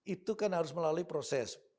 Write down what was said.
itu kan harus melalui proses